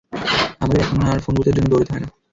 আমাদের এখন আর ফোন বুথের জন্য দৌড়াতে হয় না।